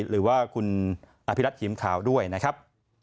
หรือว่าคุณอภิรัตหิมขาวด้วยนะครับ